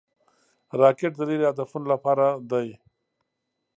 راکټ د لیرې هدفونو لپاره دی